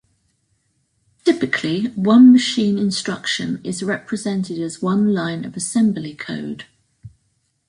Typically, one machine instruction is represented as one line of assembly code.